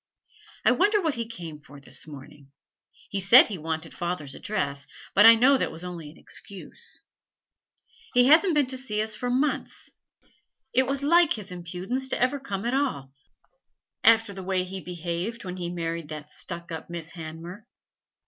'I wonder what he came for this morning. He said he wanted father's address, but I know that was only an excuse. He hasn't been to see us for months. It was like his impudence to ever come at all, after the way he behaved when he married that stuck up Miss Hanmer.'